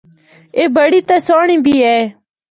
اے بڑی تے سہنڑی بھی اے۔